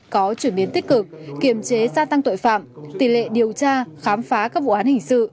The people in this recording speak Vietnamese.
có chuyển biến tích cực kiềm chế gia tăng tội phạm tỷ lệ điều tra khám phá các vụ án hình sự